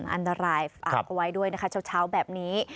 อันตรายอาบกว่าไว้ด้วยนะครับช้าวแบบนี้